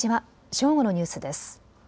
正午のニュースです。